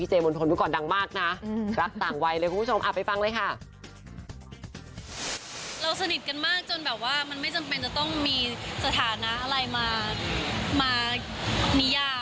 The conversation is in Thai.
เราสนิทกันมากจนแบบว่ามันไม่จำเป็นจะต้องมีสถานะอะไรมานิยาม